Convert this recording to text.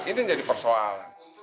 ini yang jadi persoal